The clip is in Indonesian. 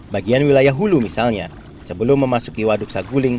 bagian wilayah hulu misalnya sebelum memasuki waduk saguling